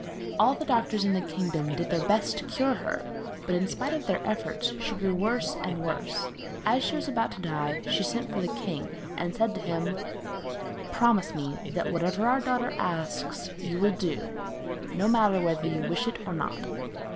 All the doctors in the kingdom did their best to cure her, but in spite of their efforts she grew worse and worse. As she was about to die, she sent for the king and said to him: 'Promise me that whatever our daughter asks, you will do, no matter whether you wish to or not.'